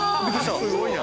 すごいな。